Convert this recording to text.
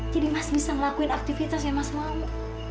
jadi mas bisa ngelakuin aktivitas yang mas mau